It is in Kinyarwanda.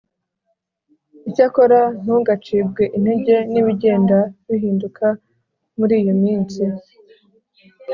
Icyakora ntugacibwe intege n ibigenda bihinduka muri iyo minsi